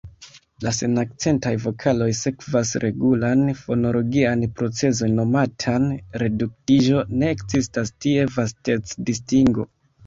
La senakcentaj vokaloj sekvas regulan fonologian procezon nomatan reduktiĝo: ne ekzistas tie vastec-distingo.